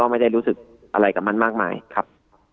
ไม่ได้รู้สึกอะไรกับมันมากมายครับ